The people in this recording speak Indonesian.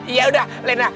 iya udah lena